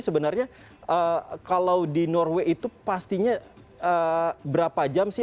sebenarnya kalau di norway itu pastinya berapa jam sih